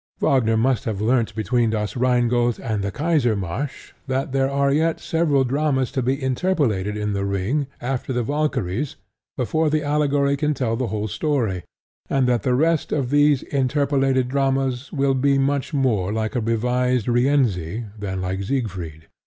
Wagner must have learnt between Das Rheingold and the Kaisermarsch that there are yet several dramas to be interpolated in The Ring after The Valkyries before the allegory can tell the whole story, and that the first of these interpolated dramas will be much more like a revised Rienzi than like Siegfried.